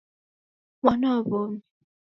Mwana wa womi